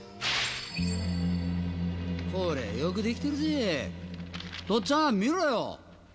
こりゃあよくできてるぜ。とっつぁん見ろよ。